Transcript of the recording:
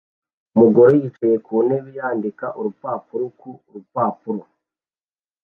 Umugore yicaye ku ntebe yandika urupapuro ku rupapuro